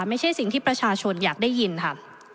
ไม่ใช่สิ่งที่ประชาชนอยากได้ยินค่ะ